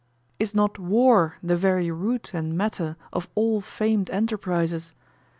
Is not war the very root and matter of all famed enterprises?